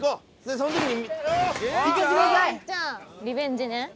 リベンジね。